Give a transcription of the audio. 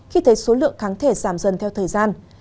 khi thấy số lượng kháng thể giảm dần theo thời gian